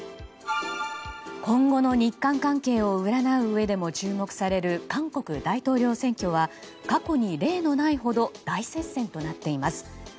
今後の日韓関係を占ううえでも注目される韓国大統領選挙は過去に例のないほど大接戦となっています。